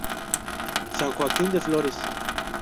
San Joaquín de Flores.